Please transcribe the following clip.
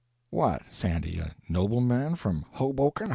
"What, Sandy, a nobleman from Hoboken?